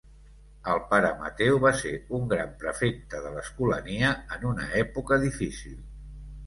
El pare Mateu va ser un gran prefecte de l'Escolania en una època difícil.